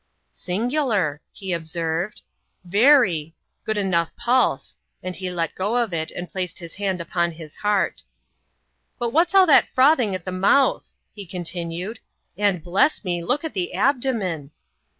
" Singular," — he observed —" very : good enough pulse ;* and he let go of it, and placed his hand upon the heart. '^ But what's all that frothing at the mouth?" he continued; "and, bless me ! look at the abdomen!"